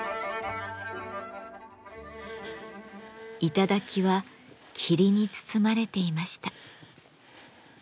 頂は霧に包まれていました。